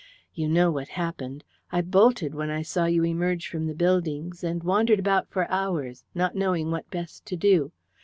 You know what happened. I bolted when I saw you emerge from the buildings, and wandered about for hours, not knowing what was best to do.